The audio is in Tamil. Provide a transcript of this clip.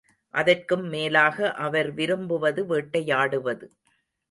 அதற்கும் மேலாக அவர் விரும்புவது வேட்டையாடுவது.